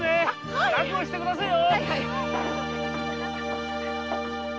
支度をしてくださいよ！